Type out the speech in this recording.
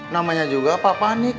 namanya juga papah nik